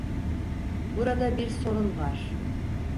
Burada bir sorun var.